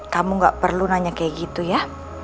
kamu gak perlu nanya kayak gitu ya